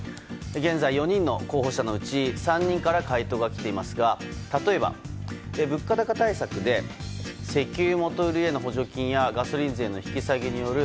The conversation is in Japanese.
現在、４人の候補者のうち３人から回答が来ていますが例えば、物価高対策で石油元売りへの補助金やガソリン税の引き下げによる